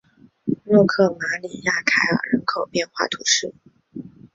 洛克马里亚凯尔人口变化图示